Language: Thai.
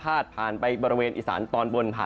ภาดผ่านไปบริเวณอีศารสลักอีศารสลักอีศารสลัก